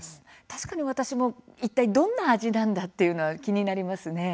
確かに私も、いったいどんな味なんだっていうのは気になりますね。